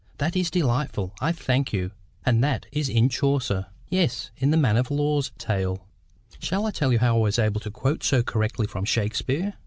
'" "That is delightful: I thank you. And that is in Chaucer?" "Yes. In the Man of Law's Tale." "Shall I tell you how I was able to quote so correctly from Shakespeare?